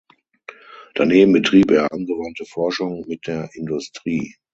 Daneben betrieb er angewandte Forschung mit der Industrie.